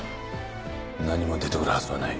何も出て来るはずはない。